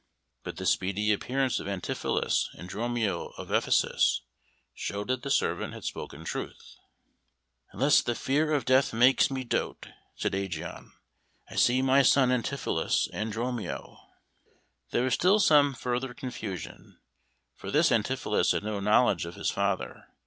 But the speedy appearance of Antipholus and Dromio of Ephesus showed that the servant had spoken truth. "Unless the fear of death makes me doat," said Ægeon, "I see my son Antipholus and Dromio." [Illustration: "I see my son Antipholus."] There was still some further confusion, for this Antipholus had no knowledge of his father.